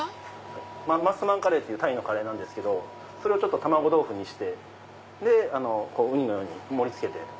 マッサマンカレーってタイのカレーなんですけどそれを卵豆腐にしてウニのように盛り付けて。